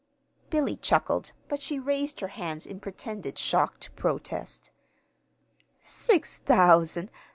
Billy chuckled, but she raised her hands in pretended shocked protest. "Six thousand!